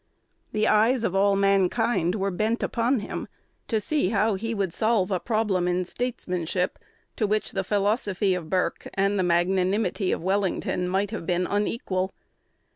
The eyes of all mankind were bent upon him to see how he would solve a problem in statesmanship to which the philosophy of Burke and the magnanimity of Wellington might have been unequal.